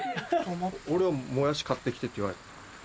俺はもやし買って来てって言われた。